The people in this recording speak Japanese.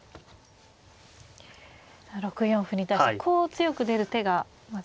６四歩に対してこう強く出る手がまず。